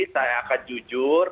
saya akan jujur